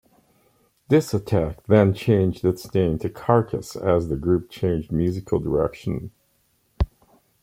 Disattack then changed its name to Carcass as the group changed musical direction.